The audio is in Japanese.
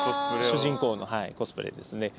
主人公のコスプレですね。